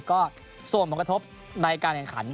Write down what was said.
ก็ส่วนผลกระทบในการแข่งขัน